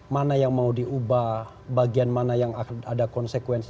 mana yang mau diubah bagian mana yang ada konsekuensi